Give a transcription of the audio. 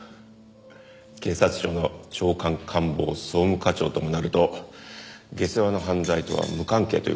警察庁の長官官房総務課長ともなると下世話な犯罪とは無関係という事かな？